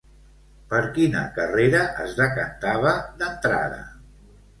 Per quina carrera es decantava d'entrada?